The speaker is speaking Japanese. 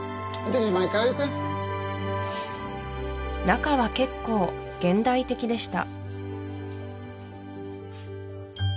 中は結構現代的でした